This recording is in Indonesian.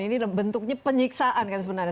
ini bentuknya penyiksaan